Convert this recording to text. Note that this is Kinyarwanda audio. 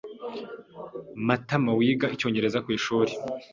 Matamawiga Icyongereza kwishuri.